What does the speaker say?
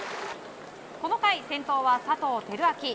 この回、先頭は佐藤輝明。